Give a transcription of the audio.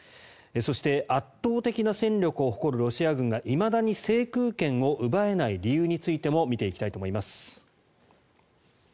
そして圧倒的な戦力を誇るロシア軍がいまだに制空権を奪えない理由についても見ていきたいと思います。